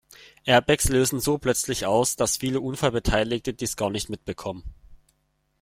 Airbags lösen so plötzlich aus, dass viele Unfallbeteiligte dies gar nicht mitbekommen.